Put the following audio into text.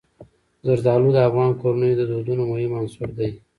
زردالو د افغان کورنیو د دودونو مهم عنصر دی.